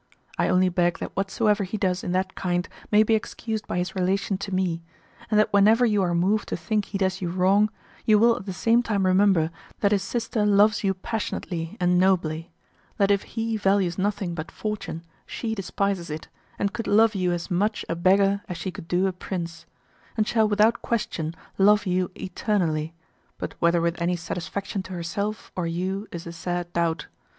I only beg that whatsoever he does in that kind may be excused by his relation to me, and that whenever you are moved to think he does you wrong, you will at the same time remember that his sister loves you passionately and nobly; that if he values nothing but fortune, she despises it, and could love you as much a beggar as she could do a prince; and shall without question love you eternally, but whether with any satisfaction to herself or you is a sad doubt.